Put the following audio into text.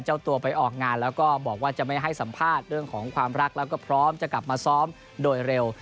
เจ้าตัวไปออกงานแล้วก็บอกว่าจะไม่ให้สัมภาษณ์เรื่องของความรักแล้วก็พร้อมจะกลับมาซ้อมโดยเร็ว